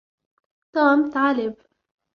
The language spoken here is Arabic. توم طالب.